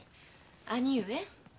兄上。